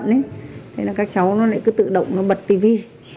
thế là các cháu nó lại cứ tự động nó bật tv